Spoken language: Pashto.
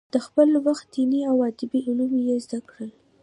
د خپل وخت دیني او ادبي علوم یې زده کړل.